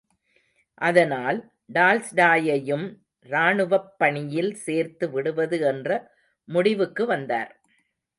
அதனால், டால்ஸ்டாயையும் ராணுவப் பணியில் சேர்த்து விடுவது என்ற முடிவுக்கு வந்தார்.